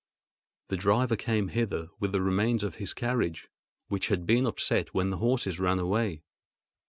"The driver came hither with the remains of his carriage, which had been upset when the horses ran away."